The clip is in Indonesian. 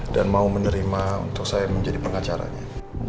dan mau menerima untuk saya menjadi pengacaranya